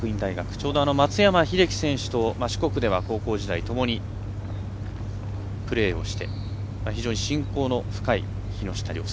ちょうど松山英樹選手と四国では高校時代ともにプレーをして非常に親交の深い木下稜介。